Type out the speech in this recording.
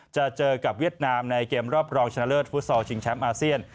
จะเจอกับเวียดนามในเกมรอบรองชนะเลิศฟุตซอลชิงแชมป์อาเซียน